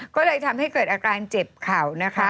ก็เลยทำให้เกิดอาการเจ็บเข่านะคะ